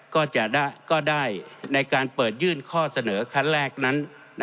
ก็จะได้ในการเปิดยื่นข้อเสนอขั้นแรกนั้น